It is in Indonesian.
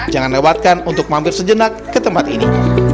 jangan lewatkan untuk mampir sejenak ke tempat ini